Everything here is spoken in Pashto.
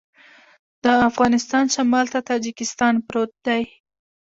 د افغانستان شمال ته تاجکستان پروت دی